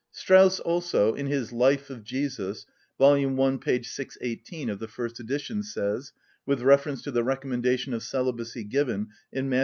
(51) Strauss also, in his "Life of Jesus" (vol i. p. 618 of the first edition), says, with reference to the recommendation of celibacy given in Matt.